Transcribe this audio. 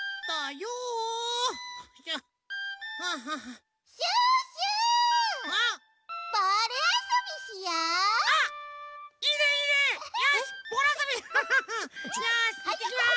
よしいってきます！